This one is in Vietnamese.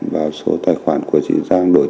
và số tài khoản của chị vân anh là ba trăm linh triệu